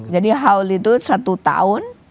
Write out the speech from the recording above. jadi haul itu satu tahun